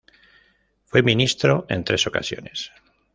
Fue ministro en tres ocasiones.